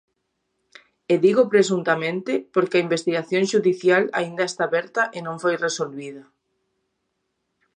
E digo presuntamente porque a investigación xudicial aínda está aberta e non foi resolvida.